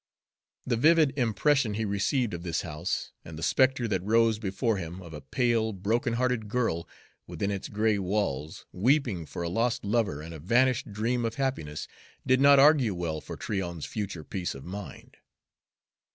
The vivid impression he received of this house, and the spectre that rose before him of a pale, broken hearted girl within its gray walls, weeping for a lost lover and a vanished dream of happiness, did not argue well for Tryon's future peace of mind.